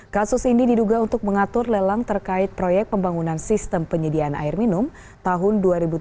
kasus ini diduga untuk mengatur lelang terkait proyek pembangunan sistem penyediaan air minum tahun dua ribu tujuh belas